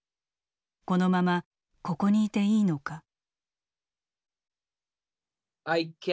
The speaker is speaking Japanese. このままここにいていいのか。